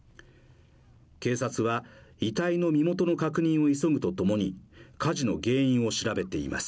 警察は遺体の身元の確認を急ぐとともに火事の原因を調べています。